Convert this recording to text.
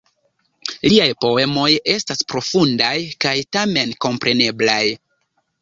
Liaj poemoj estas profundaj kaj tamen kompreneblaj.